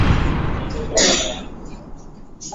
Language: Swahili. Kifo cha ghafla